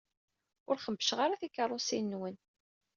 Ur xebbceɣ ara tikeṛṛusin-nwen.